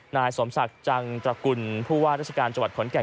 นายสมศักดิ์จังตระกุลผู้ว่าราชการจังหวัดขอนแก่น